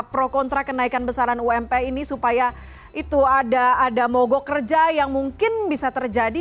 pro kontra kenaikan besaran ump ini supaya itu ada mogok kerja yang mungkin bisa terjadi